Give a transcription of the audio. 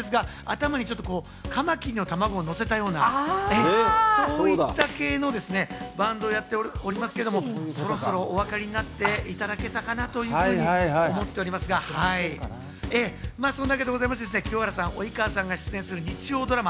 そんな彼は爽やかとは言い難いですが、頭にちょっとカマキリの卵をのせたようなね、そういった系のバンドをやっておりますけれども、そろそろお分かりになっていただけたかなと思っておりますが、そんなわけでございまして清原さん、及川さんが出演する日曜ドラマ